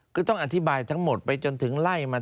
คือต้องอธิบายทั้งหมดไปจนถึงไล่มา